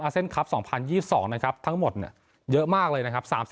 เซนคลับ๒๐๒๒นะครับทั้งหมดเยอะมากเลยนะครับ